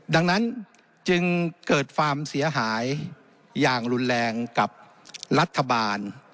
ดังนั้นจึงเกิดความเสียหายอย่างรุนแรงกับรัฐบาล